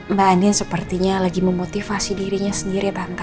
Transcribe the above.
mba andin sepertinya lagi memotivasi dirinya sendiri tante